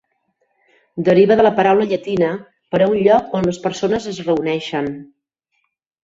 Deriva de la paraula llatina per a un lloc on les persones es reuneixen.